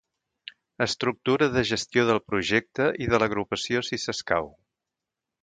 Estructura de gestió del projecte i de l'agrupació si s'escau.